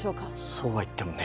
そうはいってもね